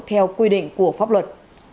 theo quy định của pháp luật